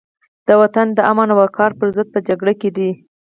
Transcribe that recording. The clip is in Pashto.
د وطن د امن او وقار پرضد په جګړه کې دي.